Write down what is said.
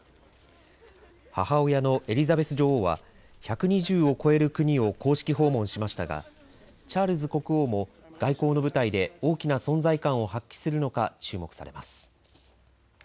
母親のエリザベス女王は１２０を超える国を公式訪問しましたがチャールズ国王も外交の舞台で大きな存在感を発揮するのか注目されます。